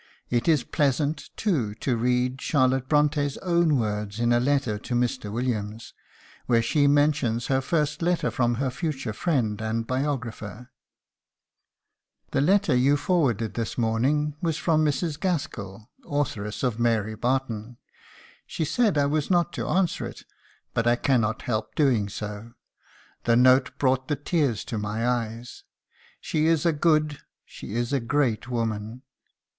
'" It is pleasant, too, to read Charlotte Bront├½'s own words in a letter to Mr. Williams, where she mentions her first letter from her future friend and biographer: "The letter you forwarded this morning was from Mrs. Gaskell, authoress of 'Mary Barton.' She said I was not to answer it, but I cannot help doing so. The note brought the tears to my eyes. She is a good, she is a great woman.